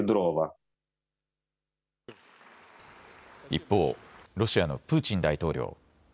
一方、ロシアのプーチン大統領。